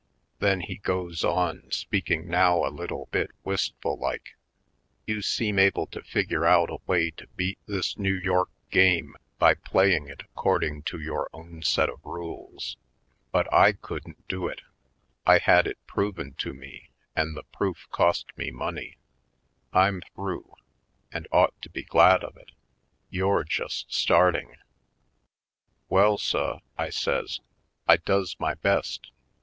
Then he goes on, speak ing now a little bit wistful like : "You seem able to figure out a way to beat this New York game, by playing it according to your own set of rules. But I couldn't do it — I had it proven to me and the proof cost me money. I'm through — and ought to be glad of it. You're just starting." "Well, suh," I says, "I does my best.